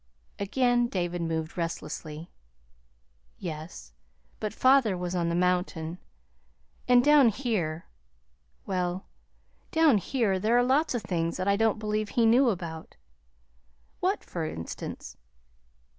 Again David moved restlessly. "Yes; but father was on the mountain. And down here well, down here there are lots of things that I don't believe he knew about." "What, for instance?"